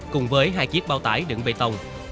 cùng với hai chiếc bao tải đựng bê tông